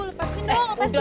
lepasin dong lepasin dong